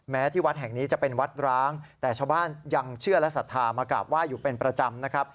ที่วัดแห่งนี้จะเป็นวัดร้างแต่ชาวบ้านยังเชื่อและศรัทธามากราบไหว้อยู่เป็นประจำนะครับ